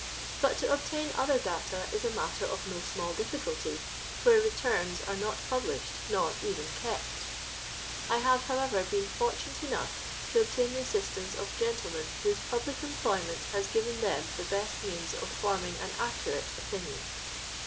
But to obtain other data is a matter of no small difficulty where returns are not published nor even kept, I have, however, been fortunate enough to obtain the assistance of gentlemen whose public employment has given them the best means of forming an accurate opinion.